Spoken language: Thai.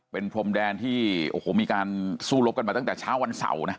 เป็นพรมแดนที่โอ้โหมีการสู้รบกันมาตั้งแต่เช้าวันเสาร์นะ